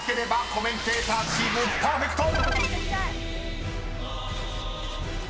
［コメンテーターチームパーフェクト！］